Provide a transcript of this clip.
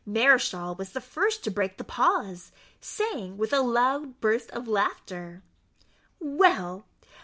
Mareschal was the first to break the pause, saying, with a loud burst of laughter, "Well!